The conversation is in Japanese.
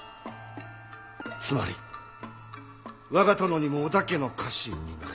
つまり我が殿にも織田家の家臣になれと。